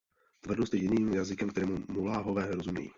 Tvrdost je jediným jazykem, kterému muláhové rozumějí.